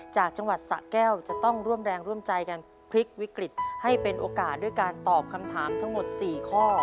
จากจังหวัดสะแก้วจะต้องร่วมแรงร่วมใจกันพลิกวิกฤตให้เป็นโอกาสด้วยการตอบคำถามทั้งหมด๔ข้อ